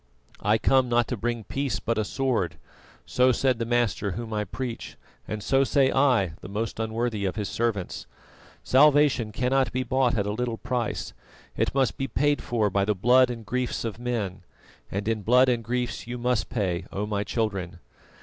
'I come not to bring peace, but a sword,' so said the Master Whom I preach, and so say I, the most unworthy of His servants. Salvation cannot be bought at a little price; it must be paid for by the blood and griefs of men, and in blood and griefs must you pay, O my children.